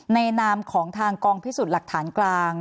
นามของทางกองพิสูจน์หลักฐานกลาง